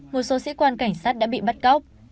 một số sĩ quan cảnh sát đã bị bắt cóc